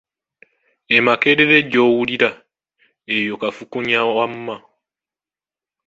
"E Makerere gy’owulira, eyo kafukunya wamma."